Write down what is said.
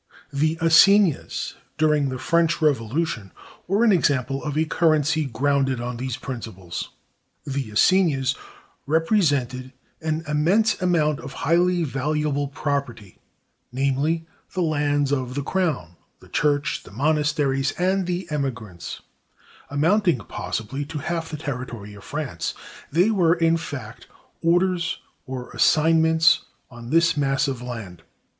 The assignats, during the French Revolution, were an example of a currency grounded on these principles. The assignats "represented" an immense amount of highly valuable property, namely, the lands of the crown, the church, the monasteries, and the emigrants; amounting possibly to half the territory of France. They were, in fact, orders or assignments on this mass of land.